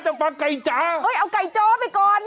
จากฝั่งไก่จ๋าเอ้ยเอาไก่จ๋อไปก่อน